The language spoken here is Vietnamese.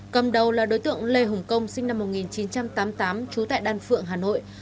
cầm đầu là đối tượng lê hùng công sinh năm một nghìn chín trăm tám mươi tám trú tại đan phượng hà nội